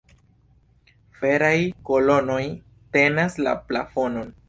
Feraj kolonoj tenas la plafonon.